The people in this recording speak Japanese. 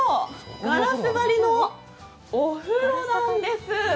ガラス張りのお風呂なんです。